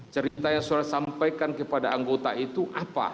cerita yang sudah saya sampaikan kepada anggota itu apa